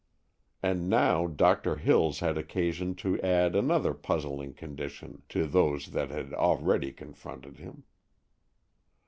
And now Doctor Hills had occasion to add another puzzling condition to those that had already confronted him.